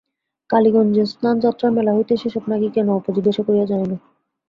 কালীগঞ্জের স্নানযাত্রার মেলা হইতে সে-সব নাকি কেনা, অপু জিজ্ঞাসা করিয়া জানিল।